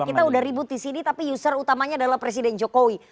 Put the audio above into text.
kita udah ribut di sini tapi user utamanya adalah presiden jokowi